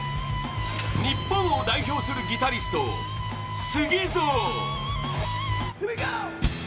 日本を代表するギタリストＳＵＧＩＺＯ